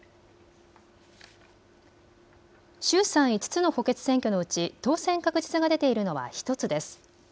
衆参５つの補欠選挙のうち当選確実が出ているのは１つです。